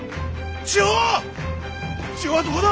千代はどこだ！